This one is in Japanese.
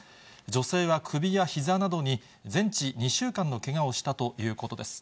女性は首やひざなどに全治２週間のけがをしたということです。